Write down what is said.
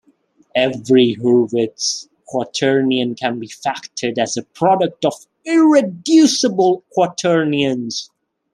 Every Hurwitz quaternion can be factored as a product of irreducible quaternions.